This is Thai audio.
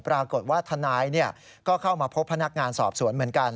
ปรากฏว่าทนายก็เข้ามาพบพนักงานสอบสวนเหมือนกัน